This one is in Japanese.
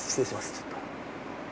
ちょっと。